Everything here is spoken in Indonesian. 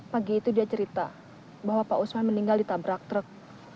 pagi itu dia cerita bahwa pak usman meninggal ditabrak truk